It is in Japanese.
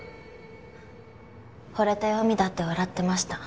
惚れた弱みだって笑ってました。